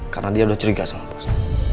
karena dia udah curiga sama bos